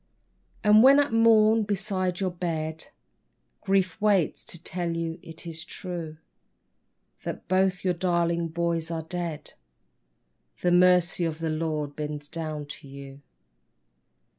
And when at morn beside your bed Grief waits to tell you it is true, That both your darling boys are dead ; The Mercy of the Lord bends down to you.